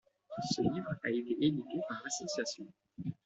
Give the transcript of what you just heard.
Ce livre a été édité par L'Association.